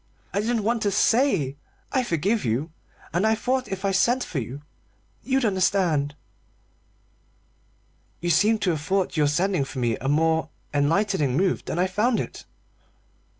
I didn't want to say 'I forgive you,' and I thought if I sent for you you'd understand." "You seem to have thought your sending for me a more enlightening move than I found it."